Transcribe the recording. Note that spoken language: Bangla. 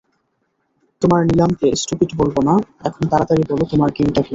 তোমার নিলামকে স্টুপিট বলবো না এখন তারাতাড়ি বলো তোমার গেমটা কি।